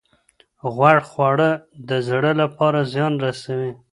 غوړ خواړه د زړه لپاره زیان رسوي.